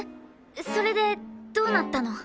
それでどうなったの？